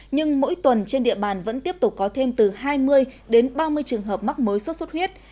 nhưng mỗi tuần trên địa bàn vẫn tiếp tục có thêm từ hai mươi đến ba mươi trường hợp mắc mới xuất xuất huyết